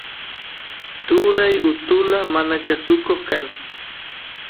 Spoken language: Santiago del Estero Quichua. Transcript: turay utula manakusuko kan